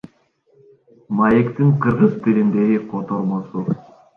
Маектин кыргыз тилиндеги котормосу.